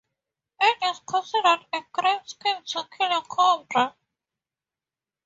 It is considered a great sin to kill a cobra.